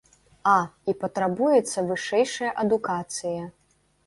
А, і патрабуецца вышэйшая адукацыя.